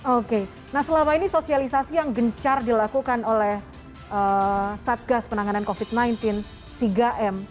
oke nah selama ini sosialisasi yang gencar dilakukan oleh satgas penanganan covid sembilan belas tiga m